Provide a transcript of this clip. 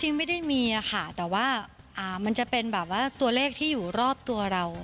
จริงไม่ได้มีค่ะแต่ว่ามันจะเป็นแบบว่าตัวเลขที่อยู่รอบตัวเรา